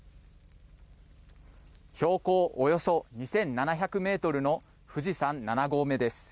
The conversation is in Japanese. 標高およそ２７００メートルの富士山７合目です。